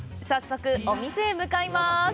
早速、お店へ向かいます。